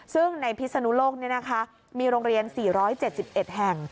ซึ่งในพิศนุโลกมีโรงเรียน๔๗๑แห่ง